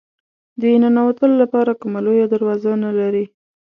د ننوتلو لپاره کومه لویه دروازه نه لري.